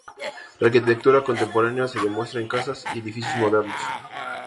La arquitectura contemporánea se demuestra en casas y edificios modernos.